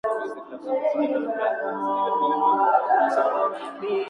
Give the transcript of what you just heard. Esa distracción permite a Ramsay matar a Luther en defensa propia.